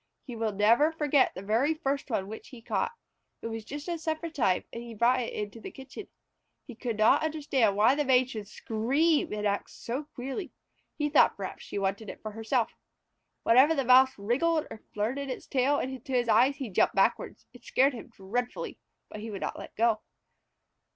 He will never forget the very first one which he caught. It was just at supper time and he brought it into the kitchen. He could not understand why the Maid should scream and act so queerly. He thought perhaps she wanted it herself. Whenever the Mouse wriggled or flirted its tail into his eyes he jumped backward. It scared him dreadfully, but he would not let go.